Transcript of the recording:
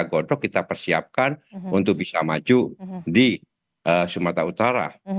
godok kita persiapkan untuk bisa maju di sumatera utara